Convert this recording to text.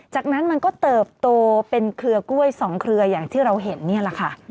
จากนั้นมันก็เติบโตเป็นเครือกล้วย๒เครืออย่างที่เราเห็นนี่แหละค่ะ